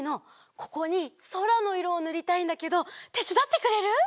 ここにそらのいろをぬりたいんだけどてつだってくれる？